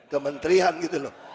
kementerian gitu loh